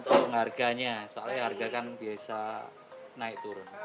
untuk harganya soalnya harga kan biasa naik turun